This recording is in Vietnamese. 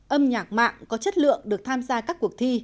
âm nhạc mạng có chất lượng được tham gia các cuộc thi